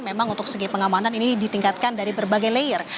memang untuk segi pengamanan ini ditingkatkan dari berbagai layer